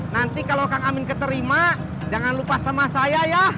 nanti kalau kang amin keterima jangan lupa sama saya ya